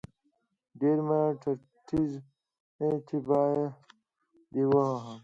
ډير مه ټرتيږه چې بيا دې وهم.